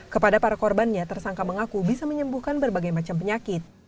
kepada para korbannya tersangka mengaku bisa menyembuhkan berbagai macam penyakit